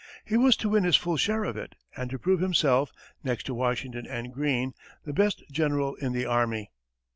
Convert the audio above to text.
He was to win his full share of it, and to prove himself, next to Washington and Greene, the best general in the army.